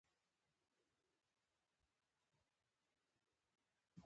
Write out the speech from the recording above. هغې زوړ څراغ سوداګر ته د نوي په بدل کې ورکړ.